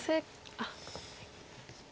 あっ。